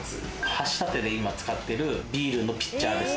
箸立てで今使ってるビールのピッチャーです。